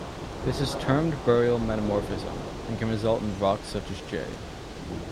This is termed burial metamorphism, and it can result in rocks such as jade.